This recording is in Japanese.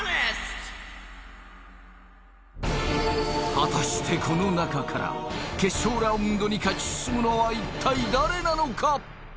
果たしてこの中から決勝ラウンドに勝ち進むのはいったい誰なのか？